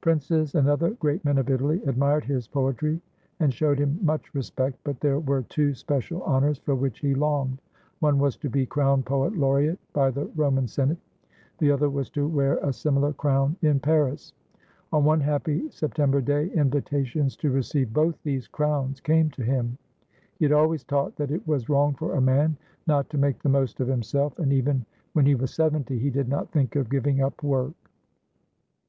Princes and other great men of Italy admired his poetry and showed him much respect, but there were two special honors for which he longed. One was to be crowned poet laureate by the Roman Senate; the other was to wear a similar crown in Paris. On one happy September day invitations to receive both these crowns came to him. He had always taught that it was wrong for a man not to make the most of himself, and even when he was seventy, he did not think of giving up work.